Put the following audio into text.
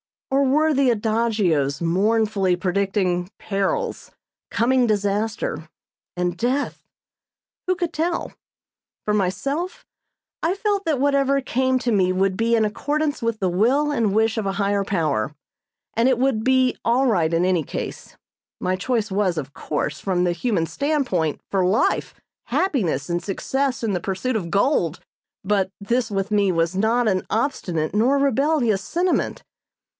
Or were the adagios mournfully predicting perils, coming disaster and death? Who could tell? For myself, I felt that whatever came to me would be in accordance with the will and wish of a Higher Power, and it would be all right in any case. My choice was, of course, from the human standpoint, for life, happiness and success in the pursuit of gold; but this with me was not an obstinate nor rebellious sentiment.